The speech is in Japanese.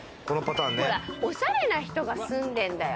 おしゃれな人が住んでんだよ。